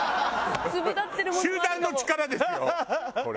集団の力ですよこれ。